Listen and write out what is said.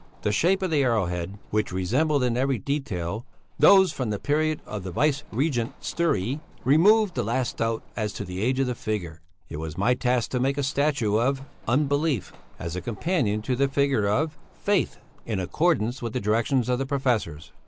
The shape of the arrowhead, which resembled in every detail those from the period of the Vice regent Sture, removed the last doubt as to the age of the figure. It was my task to make a statue of Unbelief, as a companion to the figure of Faith, in accordance with the directions of the professors.